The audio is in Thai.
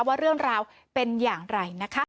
ว่าเรื่องราวเป็นอย่างไรนะคะ